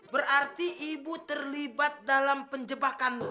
berarti ibu terlibat dalam penjebakan